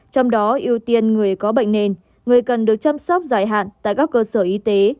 trong đó ưu tiên người có bệnh nền người cần được chăm sóc dài hạn tại các cơ sở y tế